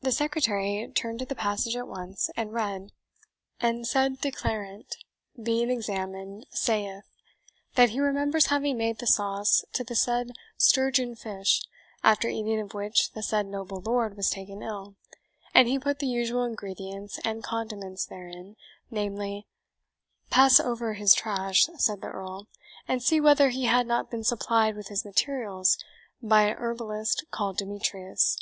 The secretary turned to the passage at once, and read, "And said declarant, being examined, saith, That he remembers having made the sauce to the said sturgeon fish, after eating of which the said noble Lord was taken ill; and he put the usual ingredients and condiments therein, namely " "Pass over his trash," said the Earl, "and see whether he had not been supplied with his materials by a herbalist called Demetrius."